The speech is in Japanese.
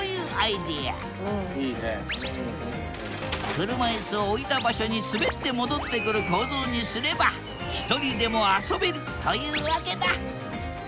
車いすを置いた場所にすべって戻ってくる構造にすればひとりでも遊べるというわけだ。